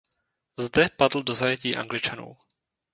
Zde padl do zajetí Angličanů.